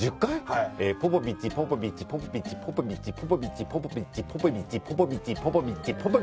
ポポビッチポポビッチポポビッチポポビッチポポビッチポポビッチポポビッチポポビッチポポビッチポポビッチ！